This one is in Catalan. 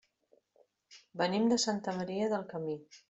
Venim de Santa Maria del Camí.